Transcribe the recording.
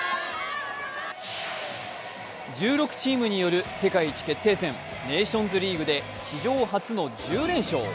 １６チームによる世界一決定戦ネーションズリーグで史上初の１０連勝。